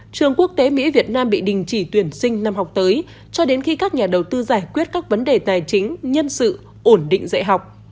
trường quốc tế mỹ việt nam bị đình chỉ tuyển sinh năm học tới cho đến khi các nhà đầu tư giải quyết các vấn đề tài chính nhân sự ổn định dạy học